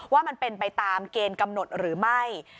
ว่ามันเป็นไปตามเกณฑ์กำหนดหรือไม่